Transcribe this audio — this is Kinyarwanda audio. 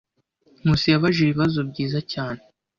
Nkusi yabajije ibibazo byiza cyane.